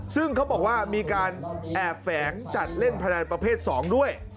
ซึ่งเขาบอกว่ามีการแอบแฝงจัดเล่นพนันประเภท๒ด้วย